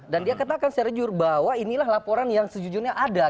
dan dia katakan secara jujur bahwa inilah laporan yang sejujurnya ada